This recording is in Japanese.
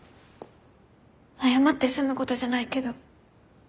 謝って済むことじゃないけど。